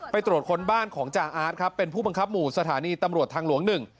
ตรวจคนบ้านของจาอาร์ตครับเป็นผู้บังคับหมู่สถานีตำรวจทางหลวงหนึ่ง